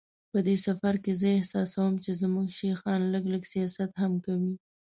په دې سفر کې زه احساسوم چې زموږ شیخان لږ لږ سیاست هم کوي.